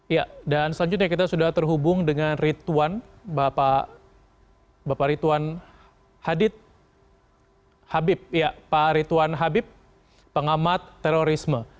ya dan selanjutnya kita sudah terhubung dengan rituan bapak rituan habib pak rituan habib pengamat terorisme